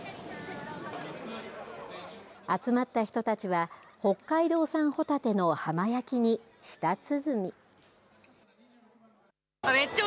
集まった人たちは北海道産ほたての浜焼きに舌鼓。